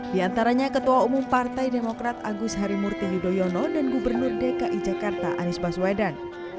di antaranya ketua umum partai demokrat agus harimurti yudhoyono dan gubernur dki jakarta anies baswedan